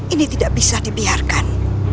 ini tidak bisa dibiarkan